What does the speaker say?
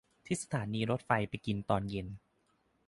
ที่สถานีรถไฟไปกินตอนเย็น